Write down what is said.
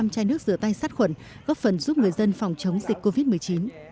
một trăm linh chai nước rửa tay sát khuẩn góp phần giúp người dân phòng chống dịch covid một mươi chín